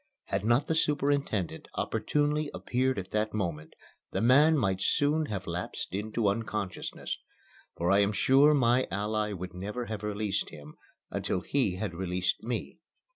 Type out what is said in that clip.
Had not the superintendent opportunely appeared at that moment, the man might soon have lapsed into unconsciousness, for I am sure my ally would never have released him until he had released me.